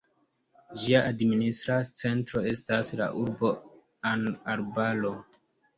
Ĝia administra centro estas la urbo An-Arbaro.